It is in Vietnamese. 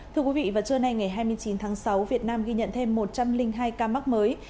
thưa quý vị vào trưa nay ngày hai mươi chín tháng sáu việt nam ghi nhận thêm một trăm linh hai ca mắc mới